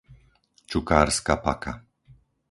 Čukárska Paka